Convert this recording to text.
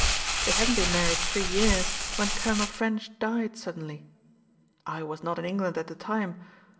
They hadn't been married three years when Colonel Ffrench died suddenly. I was not in England at the time.